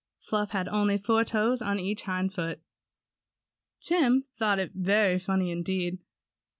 Fluff had only four toes on each hind foot. Tim thought that very funny indeed.